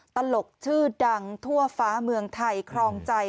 ตลกชื่อดังทั่วฟ้าเมืองไทยครองใจ